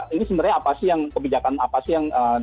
ini sebenarnya apa sih yang kebijakan apa sih yang